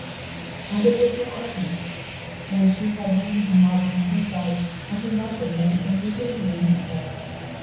And it was no argument. And she had reason and logic on her side, and he nothing but the unreasoning reason of love.